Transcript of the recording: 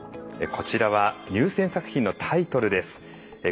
こちらは入選作品のタイトルです。